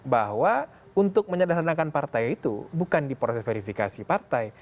bahwa untuk menyederhanakan partai itu bukan di proses verifikasi partai